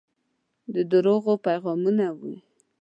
د درواغو پیغامونه مې